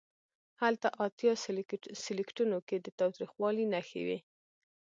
هلته اتیا سلکیټونو کې د تاوتریخوالي نښې وې.